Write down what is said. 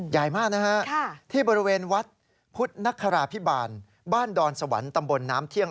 ใหญ่มากนะฮะที่บริเวณวัดพุทธนคราพิบาลบ้านดอนสวรรค์ตำบลน้ำเที่ยง